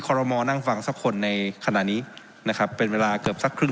รมอลนั่งฟังสักคนในขณะนี้นะครับเป็นเวลาเกือบสักครึ่ง